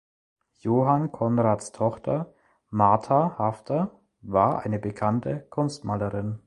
Johann Konrads Tochter Martha Haffter war eine bekannte Kunstmalerin.